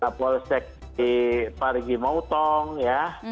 kapolsek di farigi mautong ya